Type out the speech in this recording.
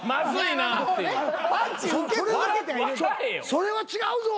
「それは違うぞ」